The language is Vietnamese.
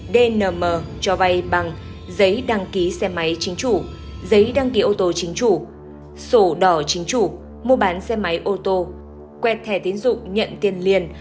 dmm cho vay bằng giấy đăng ký xe máy chính chủ giấy đăng ký ô tô chính chủ sổ đỏ chính chủ mua bán xe máy ô tô quẹt thẻ tiến dụng nhận tiền liền